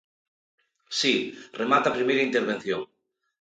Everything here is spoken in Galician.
Si, remate a primeira intervención.